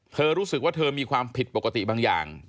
รู้สึกว่าเธอมีความผิดปกติบางอย่าง